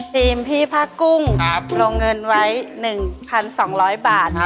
ทีมพี่ผ้ากุ้งลงเงินไว้๑๒๐๐บาท